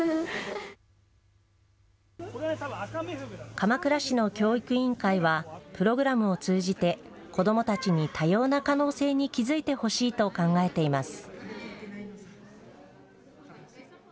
鎌倉市の教育委員会はプログラムを通じて子どもたちに多様な可能性に気付いてほしいと考えています。